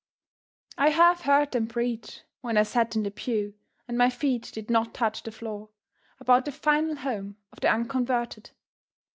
I have heard them preach, when I sat in the pew and my feet did not touch the floor, about the final home of the unconverted.